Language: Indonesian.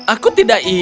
aku tidak ingin tahu